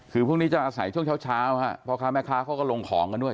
คือพรุ่งนี้จะใส่ช่วงเช้าก็ลงของกันด้วย